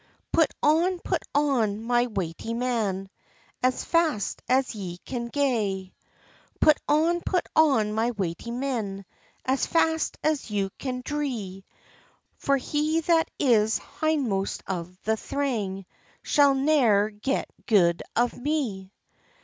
"Put on, put on, my wighty {96a} men, As fast as ye can gae. "Put on, put on, my wighty men, As fast as ye can drie; For he that is hindmost of the thrang Shall ne'er get gude of me!"